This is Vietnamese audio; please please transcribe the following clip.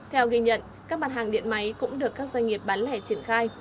theo ghi nhận các mặt hàng điện máy cũng được các doanh nghiệp bán lẻ triển khai